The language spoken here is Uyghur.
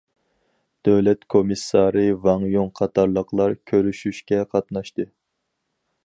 دۆلەت كومىسسارى ۋاڭ يۇڭ قاتارلىقلار كۆرۈشۈشكە قاتناشتى.